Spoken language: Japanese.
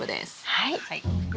はい。